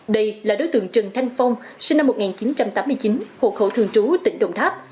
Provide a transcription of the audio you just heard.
đây là đối tượng trần thanh phong sinh năm một nghìn chín trăm tám mươi chín hộ khẩu thường trú tỉnh đồng tháp